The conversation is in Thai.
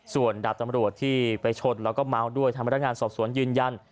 ส่วนดาบตำรวจที่ไปชนแล้วก็เมาด้วยทางพนักงานสอบสวนยืนยัน